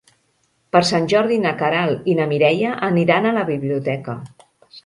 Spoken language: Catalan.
Per Sant Jordi na Queralt i na Mireia aniran a la biblioteca.